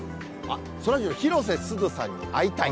そらジロー、広瀬すずさんに会いたい？